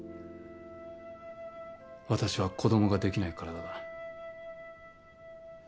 私は子供が出来ない体だ。